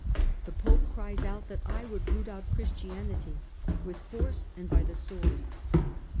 The Pope cries out that I would root out Christianity, with force and by the sword.